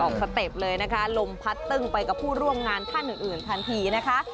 สเต็ปเลยนะคะลมพัดตึ้งไปกับผู้ร่วมงานท่านอื่นทันทีนะคะ